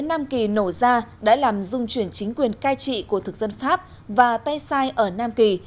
nam kỳ nổ ra đã làm dung chuyển chính quyền cai trị của thực dân pháp và tay sai ở nam kỳ